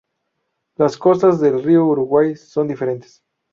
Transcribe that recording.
Las costas del río Uruguay son diferentes.